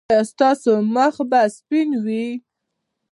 ایا ستاسو مخ به سپین وي؟